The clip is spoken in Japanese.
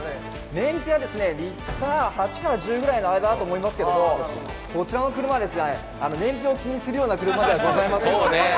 燃費はリッター８から１５ぐらいの間だと思いますけどこちらの車は燃費を気にするような車ではございませんので。